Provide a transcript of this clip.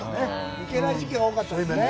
行けない時期が多かったですね。